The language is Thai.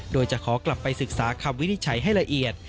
โดยจะขอกลับไปศึกษาคำวินิจฉัยให้ละเอียด